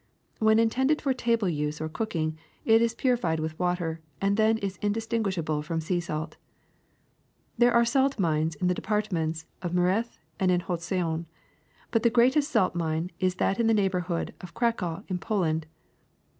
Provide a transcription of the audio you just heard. When intended for table use or cooking, it is purified with water, and then is undistinguishable from sea salt. *^ There are salt mines in the departments of Meurthe and Haute Saone, but the greatest salt mine is that in the neighborhood of Cracow in Po land.